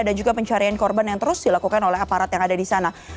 dan juga pencarian korban yang terus dilakukan oleh aparat yang ada di sana